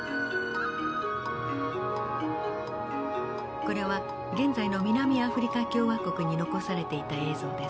これは現在の南アフリカ共和国に残されていた映像です。